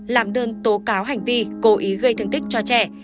làm đơn tố cáo hành vi cố ý gây thương tích cho trẻ